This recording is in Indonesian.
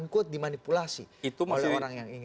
quote dimanipulasi oleh orang yang ingin